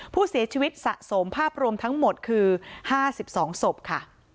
ผู้เสียชีวิตสะสมภาพรวมทั้งหมดคือ๕๒ศพค่ะ